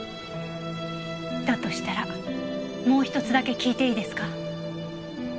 だとしたらもう１つだけ聞いていいですか？